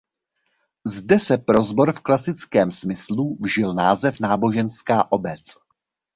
Zde se pro sbor v klasickém smyslu vžil název náboženská obec.